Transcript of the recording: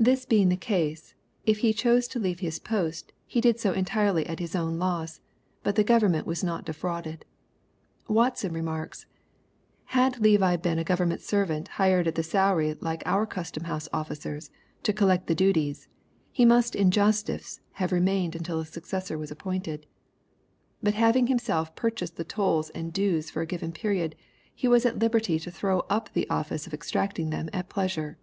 This being the case, if he chose to leave his post, he did so entirely at his own loss, but the government was not defrauded. Watson remarks, "Had Levi been a government servant hired at a salary like our custom house ofl&cers, to collect the duties, he must in justice have remained until a successor was appointed. But having himself purchased the tolls and dues for a given period, he was at Uberty to throw up the office of exacting them at pleasure."